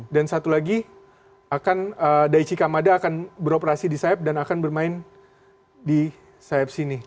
dan satu lagi daichi kamada akan beroperasi di sayap dan akan bermain di sayap sini